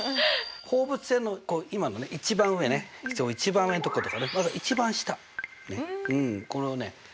放物線の今のね一番上ね一番上のとことか一番下これをね